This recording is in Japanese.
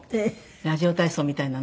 ラジオ体操みたいなの。